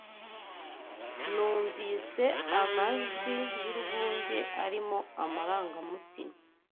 Numvise amajwi y’urwunge arimo amarangamutima